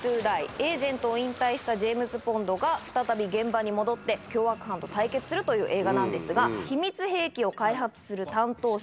エージェントを引退したジェームズ・ボンドが再び現場に戻って凶悪犯と対決するという映画なんですが秘密兵器を開発する担当者